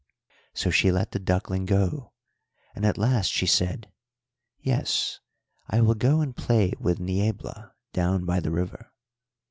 "So she let the duckling go, and at last she said, 'Yes, I will go and play with Niebla down by the river.'